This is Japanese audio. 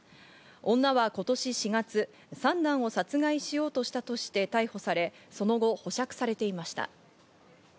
女は今年４月、三男を殺害しようとしたとして逮捕され、その後、保釈されていました。